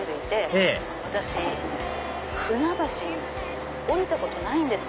ええ私船橋降りたことないんです。